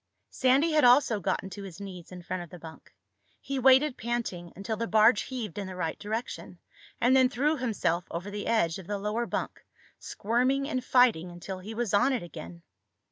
Sandy had also gotten to his knees in front of the bunk. He waited, panting, until the barge heaved in the right direction, and then threw himself over the edge of the lower bunk, squirming and fighting until he was on it again.